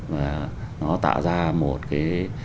và nó tạo ra một cái